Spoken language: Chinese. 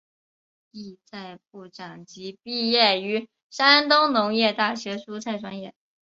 旨在部长级毕业于山东农业大学蔬菜专业。